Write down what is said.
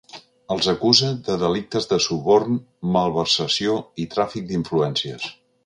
Els acusa de delictes de suborn, malversació i tràfic d’influències.